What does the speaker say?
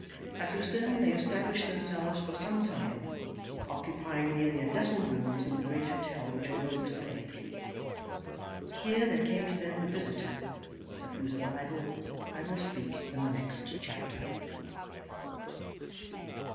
At Lucerne, they established themselves for some time, occupying nearly a dozen rooms in the great hotel which overlooks the lake. Here there came to them a visitor, of whose arrival I will speak in the next chapter.